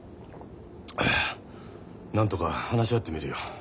なんとか話し合ってみるよ。